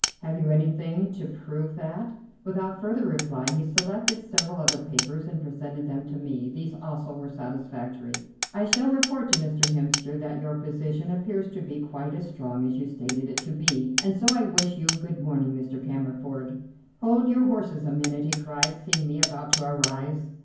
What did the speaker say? "Have you anything to prove that?" Without further reply he selected several other papers and presented them to me. These also were satisfactory. "I shall report to Mr. Hemster that your position appears to be quite as strong as you stated it to be, and so I wish you good morning, Mr. Cammerford." "Hold your horses a minute," he cried, seeing me about to arise.